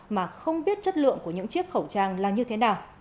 mà không biết chất lượng của những chiếc khẩu trang là như thế nào